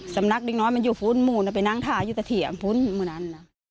สำนักดิ๊กน้อยมันอยู่ฟุ้นหมู่มันไปนั่งถ่ายอยู่แต่เถียมฟุ้นหมู่นั้น